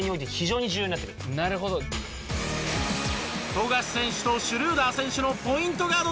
富樫選手とシュルーダー選手のポイントガード